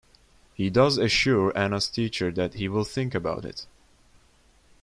He does assure Ana's teacher that he will think about it.